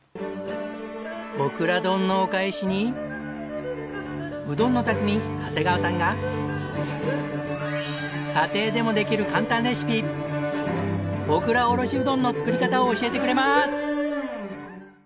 オクラ丼のお返しにうどんの匠長谷川さんが家庭でもできる簡単レシピオクラおろしうどんの作り方を教えてくれます。